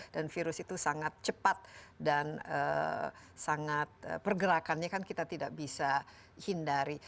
dan virus itu sangat cepat dan sangat pergerakannya kan kita tidak bisa hindari